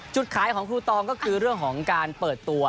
จุดขายของครูตองก็คือเรื่องของการเปิดตัว